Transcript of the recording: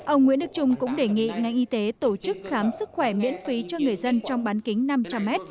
ông nguyễn đức trung cũng đề nghị ngành y tế tổ chức khám sức khỏe miễn phí cho người dân trong bán kính năm trăm linh m